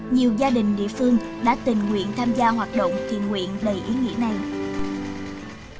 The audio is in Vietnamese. nhiều gia đình địa phương đã tình nguyện tham gia hoạt động thiền nguyện đầy ý nghĩa này